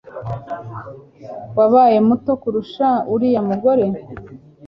wabaye muto kurusha uriya mugore